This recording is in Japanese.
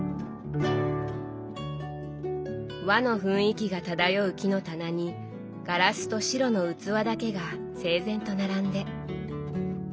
和の雰囲気が漂う木の棚にガラスと白の器だけが整然と並んで。